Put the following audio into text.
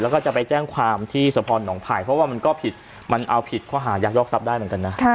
แล้วก็จะไปแจ้งความที่สะพรหนองไผ่เพราะว่ามันก็ผิดมันเอาผิดข้อหายักยอกทรัพย์ได้เหมือนกันนะ